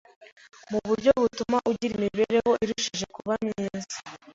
mu buryo butuma ugira imibereho irushijeho kuba myiza